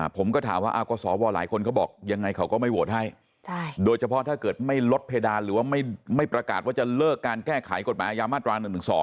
ผมก็ถามว่าก็สวหลายคนเขาบอกยังไงเขาก็ไม่โหวตให้โดยเฉพาะถ้าเกิดไม่ลดเพดานหรือว่าไม่ประกาศว่าจะเลิกการแก้ไขกฎหมายอายามาตรา๑๑๒